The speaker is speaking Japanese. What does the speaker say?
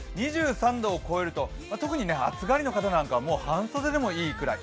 ２３度を超えると、特に暑がりの方なんか、半袖でもいいぐらい。